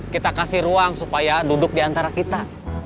kita kasih ruang supaya duduk diantara kita